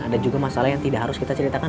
ada juga masalah yang tidak harus kita ceritakan